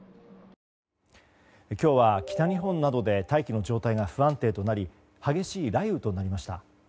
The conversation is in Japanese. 今日は北日本などで大気の状態が不安定となり激しい雷雨となりました。